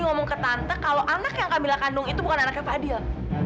ngomong ke tante kalau anak yang kamilah kandung itu bukan anaknya fadil